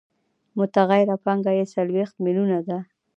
متغیره پانګه یې څلوېښت میلیونه ده